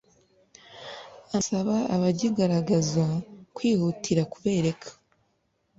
anasaba abagigaragaza kwihutira kubegera